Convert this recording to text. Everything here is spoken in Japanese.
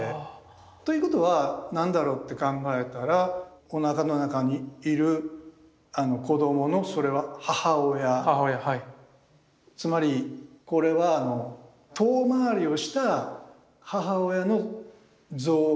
ということは何だろうって考えたらおなかの中にいる子供のそれは母親つまりこれは遠回りをした母親の像を描こうとしてるのかな